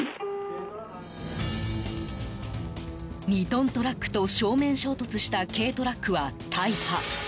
２トントラックと正面衝突した軽トラックは大破。